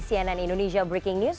cnn indonesia breaking news